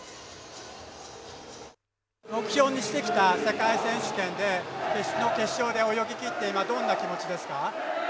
目標にしてきた世界選手権の決勝で泳ぎきって今、どんな気持ちですか？